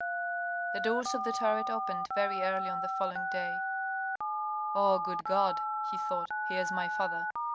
The doors of the turret opened very early on the following day. "Oh! good God," he thought, "here's my father